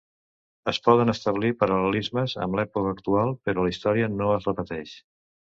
Es poden establir paral·lelismes amb l’època actual, però la història no es repeteix.